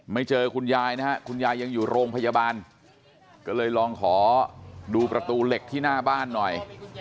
เจอคุณยายนะฮะคุณยายยังอยู่โรงพยาบาลก็เลยลองขอดูประตูเหล็กที่หน้าบ้านหน่อย